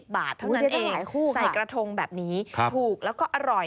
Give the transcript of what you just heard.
บาทเท่านั้นเองใส่กระทงแบบนี้ถูกแล้วก็อร่อย